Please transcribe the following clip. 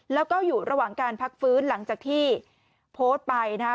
แล้วก็อยู่ระหว่างการพักฟื้นหลังจากที่โพสต์ไปนะฮะ